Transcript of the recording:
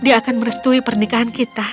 dia akan merestui pernikahan kita